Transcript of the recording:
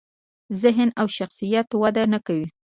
ذهن او شخصیت یې وده نکوي.